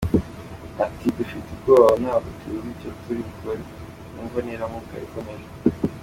Ati “Dufite ubwoba ntabwo tuzi icyo turi bukore iyi mvura niramuka ikomeje” .